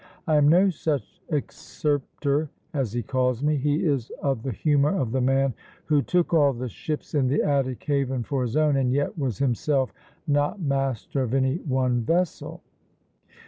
"I am no such excerptor (as he calls me); he is of the humour of the man who took all the ships in the Attic haven for his own, and yet was himself not master of any one vessel."